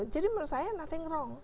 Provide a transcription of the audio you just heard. jadi menurut saya nothing wrong